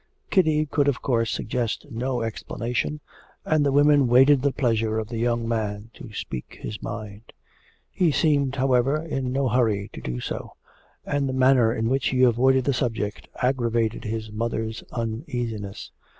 Kitty could of course suggest no explanation, and the women waited the pleasure of the young man to speak his mind. He seemed, however, in no hurry to do so; and the manner in which he avoided the subject aggravated his mother's uneasiness.